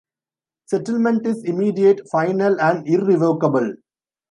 Settlement is immediate, final and irrevocable.